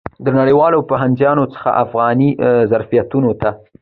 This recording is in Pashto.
د نړیوالو پوځیانو څخه افغاني ظرفیتونو ته.